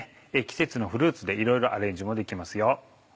季節のフルーツでいろいろアレンジもできますよ。